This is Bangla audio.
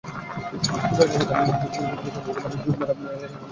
সুরজভানের কথায়, বিজেপির সঙ্গে এলজেপির জোট বাধা এখন স্রেফ সময়ের প্রতীক্ষা।